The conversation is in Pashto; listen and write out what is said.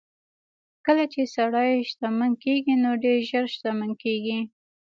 کله چې سړی شتمن کېږي نو ډېر ژر شتمن کېږي.